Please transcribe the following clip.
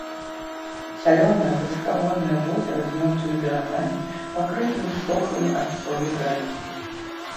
Салёнае высакагорнае возера з мёртвымі берагамі, пакрытымі ссохлымі ад солі дрэвамі.